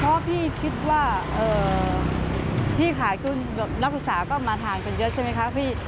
เพราะพี่คิดว่าพี่ขายขึ้นกับนักศึกษาก็มาทานกันเยอะใช่ไหมคะพี่